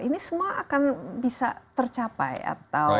ini semua akan bisa tercapai atau